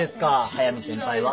速見先輩は。